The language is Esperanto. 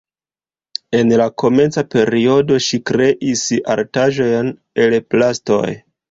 En la komenca periodo ŝi kreis artaĵojn el plastoj.